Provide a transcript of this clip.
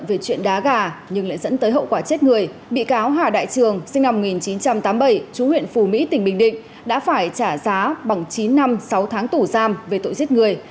về chuyện đá gà nhưng lại dẫn tới hậu quả chết người bị cáo hà đại trường sinh năm một nghìn chín trăm tám mươi bảy chú huyện phù mỹ tỉnh bình định đã phải trả giá bằng chín năm sáu tháng tù giam về tội giết người